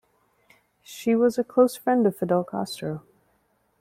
She was a close friend of Fidel Castro.